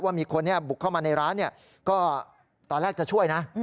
มีคนบุกเข้ามาในร้านก็ตอนแรกจะช่วยนะ